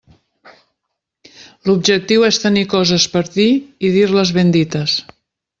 L'objectiu és tenir coses per dir i dir-les ben dites.